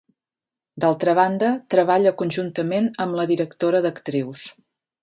D'altra banda, treballa conjuntament amb la directora d'actrius.